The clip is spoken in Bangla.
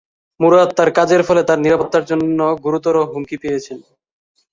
মুরাদ তার কাজের ফলে তার নিরাপত্তার জন্য গুরুতর হুমকি পেয়েছেন।